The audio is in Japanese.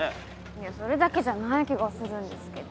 いやそれだけじゃない気がするんですけど。